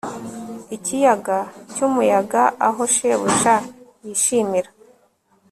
ikiyaga cyumuyaga aho shebuja yishimira